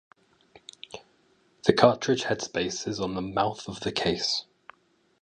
The cartridge headspaces on the mouth of the case.